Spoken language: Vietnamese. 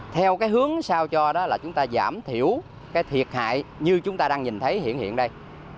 theo hướng sao cho là chúng ta giảm thiểu thiệt hại như chúng ta đang nhìn thấy hiện hiện đây